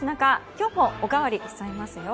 今日もおかわりしちゃいますよ。